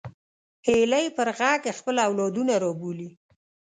هیلۍ پر غږ خپل اولادونه رابولي